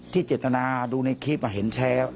ที่จริงน่าดูในคลิปบ่เห็นแชร์